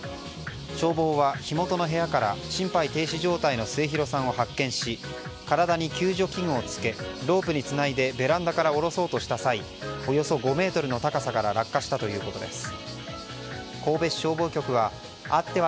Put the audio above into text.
消防は火元の部屋から心肺停止状態の末広さんを発見し体に救助器具をつけロープにつないでベランダから降ろそうとした際およそ５ｍの高さから落下したということです。